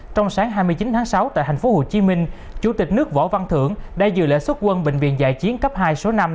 trong sáng hai mươi chín tháng sáu tại thành phố hồ chí minh chủ tịch nước võ văn thưởng đã dự lệ xuất quân bệnh viện giải chiến cấp hai số năm